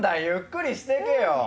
ゆっくりしてけよ。